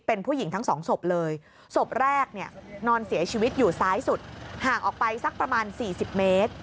เป็นผู้หญิงทั้งสองศพเลยศพแรกเนี่ยนอนเสียชีวิตอยู่ซ้ายสุดห่างออกไปสักประมาณ๔๐เมตร